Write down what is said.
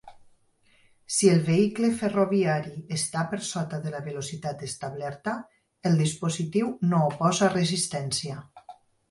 Si el vehicle ferroviari està per sota de la velocitat establerta, el dispositiu no oposa resistència.